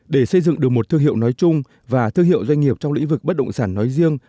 để xây dựng được một thương hiệu nói chung và thương hiệu doanh nghiệp trong lĩnh vực bất động sản nói riêng